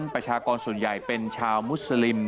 ประชากรส่วนใหญ่เป็นชาวมุสลิม